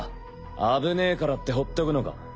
危ねえからって放っとくのか？